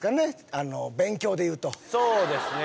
あの勉強でいうとそうですね